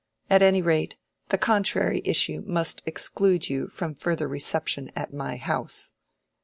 At any rate, the contrary issue must exclude you from further reception at my house.